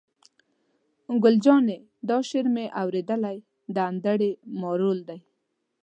ګل جانې: دا شعر مې اورېدلی، د انډرې مارول دی.